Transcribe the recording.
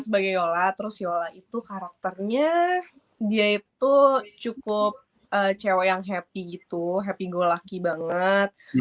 sebagai yola terus yola itu karakternya dia itu cukup cewek yang happy gitu happy go lucky banget